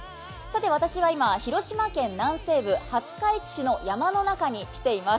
私は今、広島県南西部、廿日市市の山の中に来ています。